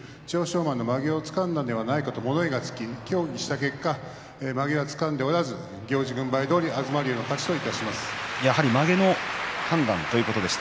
馬のまげをつかんだのではないかと物言いがつき協議した結果まげはつかんでおらず行司軍配どおりやはり、まげの判断ということでした。